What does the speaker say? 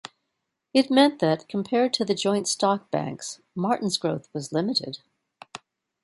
It meant that, compared to the joint stock banks, Martins' growth was limited.